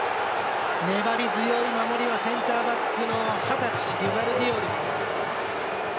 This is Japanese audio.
粘り強い守りはセンターバックの二十歳グバルディオル。